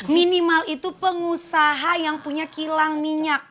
minimal itu pengusaha yang punya kilang minyak